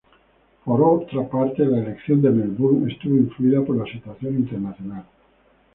Por otra parte, la elección de Melbourne estuvo influida por la situación internacional.